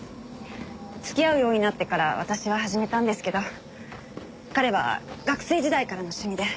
付き合うようになってから私は始めたんですけど彼は学生時代からの趣味で。